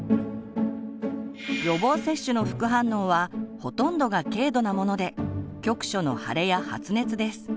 予防接種の副反応はほとんどが軽度なもので局所の腫れや発熱です。